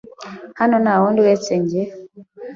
Hano nta wundi uretse njye.